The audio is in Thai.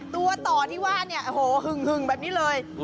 ตัวต่อที่ว่าเนี่ยโอ้โหหึงแบบนี้เลย